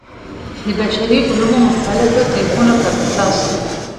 د بشري علومو مختلفو طیفونو پر اساس.